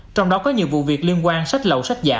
trong đó có nhiều vụ việc liên quan sách lậu sách giả